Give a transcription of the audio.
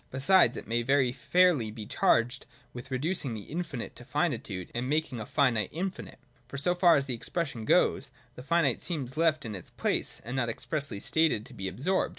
Besides it may very fairly be charged with reducing the infinite to finitude and making a finite infinite. For, so far as the expression goes, the finite seems left in its place, — it is not expressly stated to be absorbed.